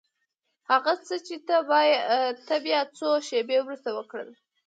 هغه څه چې تا بيا څو شېبې وروسته وکړل.